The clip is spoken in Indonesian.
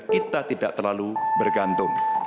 kita tidak terlalu bergantung